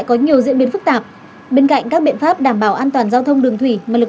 có nhiều diễn biến phức tạp bên cạnh các biện pháp đảm bảo an toàn giao thông đường thủy mà lực lượng